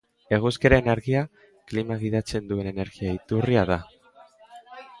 Eguzkiaren argia, klima gidatzen duen energia-iturria da.